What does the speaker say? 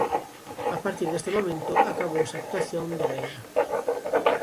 A partir deste momento, acabouse a actuación do Vedra.